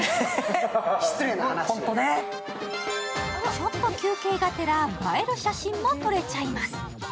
ちょっと休憩がてら、映える写真も撮れちゃいます。